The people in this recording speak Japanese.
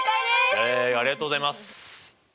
イエイありがとうございます。